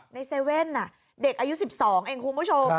ในเซเว่นเด็กอายุ๑๒งงคุมประชง